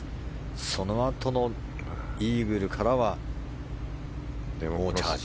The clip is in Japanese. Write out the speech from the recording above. そのあとのイーグルからは猛チャージ。